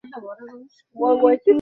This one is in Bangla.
যোনির বিভিন্ন রকম জৈবিক ভূমিকা রয়েছে।